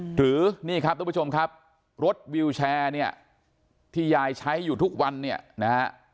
หรือนี่ครับทุกผู้ชมครับรถวิวแชร์เนี่ยที่ยายใช้อยู่ทุกวันเนี่ยนะฮะ